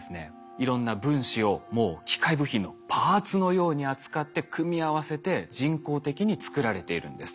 いろんな分子をもう機械部品のパーツのように扱って組み合わせて人工的に作られているんです。